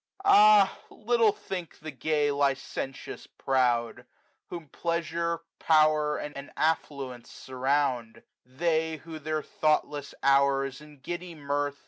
Ah little think the gay licentious proud. Whom pleasure, power, and affluence surround; They, who their thoughtless hours in giddy mirth.